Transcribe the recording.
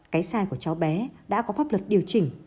cái sai của cháu bé đã có pháp luật điều chỉnh